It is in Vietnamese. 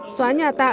xóa nhà tạo